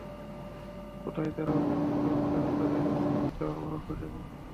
কোথায় তারা অর্থ পেল, কারা তাদের অস্ত্র দিল, আমরা খুঁজে বের করব।